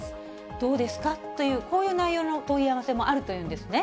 どうですか？という、こういう内容の問い合わせもあるというんですね。